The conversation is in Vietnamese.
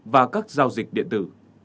và các giao dịch điện tử